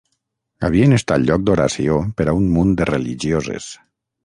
Havien estat lloc d’oració per a un munt de religioses.